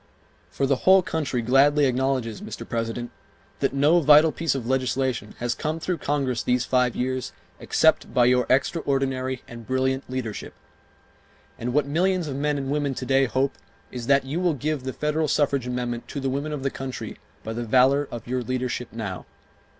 For the whole country gladly acknowledges, Mr. President, that no vital piece of legislation has come through Congress these five years except by your extraordinary and brilliant leadership. And what millions of men and women to day hope is that you will give the federal suffrage amendment to the women of the country by the valor of your leadership now.